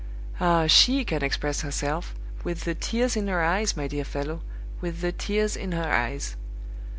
Ah, she can express herself with the tears in her eyes, my dear fellow, with the tears in her eyes!